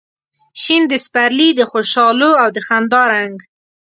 شین د سپرلي د خوشحالو او د خندا رنګ